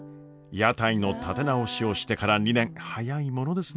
屋台の立て直しをしてから２年早いものですね。